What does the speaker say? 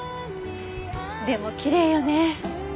でもきれいよね。